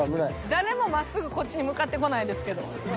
誰もまっすぐこっちに向かってこないですけど。